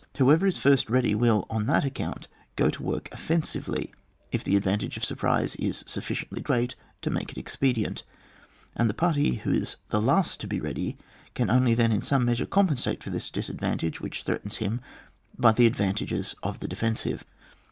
Whoever is first ready will on that account go to work offen sively, if the advantage of surprise is suf ficiently great to make it expedient ; and the party who is the last to be ready can only then in some measure compen sate for the disadvantage which threatens him by the advantages of the defensive.